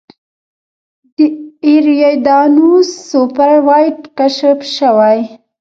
د ایریدانوس سوپر وایډ کشف شوی.